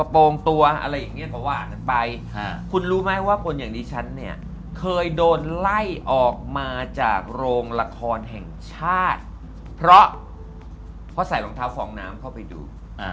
เพราะว่าคนอย่างดิฉันเนี่ยเคยโดนไล่ออกมาจากโรงละครแห่งชาติเพราะใส่รองเท้าฟองน้ำเข้าไปดู